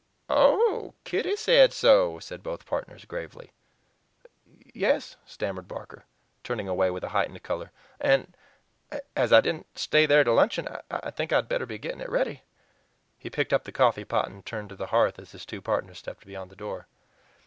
"Oh, Kitty said so," said both partners, gravely. "Yes," stammered Barker, turning away with a heightened color, "and, as I didn't stay there to luncheon, I think I'd better be getting it ready." He picked up the coffeepot and turned to the hearth as his two partners stepped beyond the door.